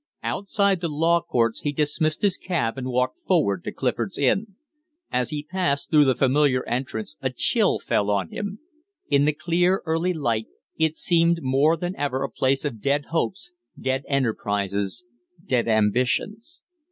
Outside the Law Courts he dismissed his cab and walked forward to Clifford's Inn. As he passed through the familiar entrance a chill fell on him. In the clear, early light it seemed more than ever a place of dead hopes, dead enterprises, dead ambitions.